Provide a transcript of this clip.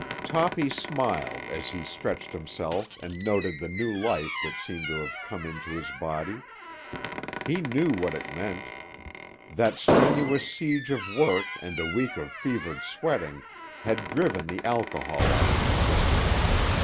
Toppy smiled as he stretched himself and noted the new life that seemed to have come into his body. He knew what it meant. That strenuous siege of work and a week of fevered sweating had driven the alcohol out of his system.